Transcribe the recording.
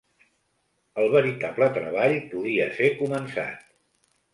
El veritable treball podia ser començat.